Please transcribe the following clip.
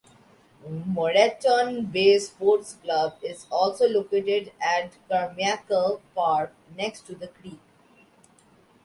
Moreton Bay Sports Club is also located at Carmichael Park next to the creek.